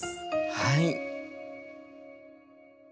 はい！